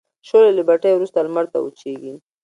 شولې له بټۍ وروسته لمر ته وچیږي.